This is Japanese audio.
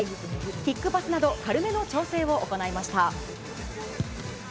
キックパスなど軽めの調整を行いました。